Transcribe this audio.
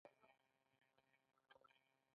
په دې سره ګورو چې ګټه څه ده